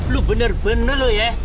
lu bener bener ya